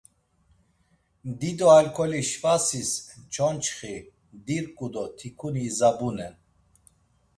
Dido alkoli şvasis çonçxi, dirǩu do tikuni izabunen.